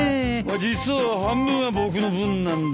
実は半分は僕の分なんだ。